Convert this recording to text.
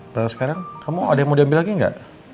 baru sekarang kamu ada yang mau diambil lagi ga